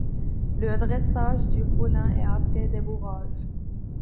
Le dressage du poulain est appelé débourrage.